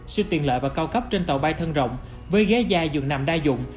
siêu tiện lợi và cao cấp trên tàu bay thân rộng với ghế dài dường nằm đa dụng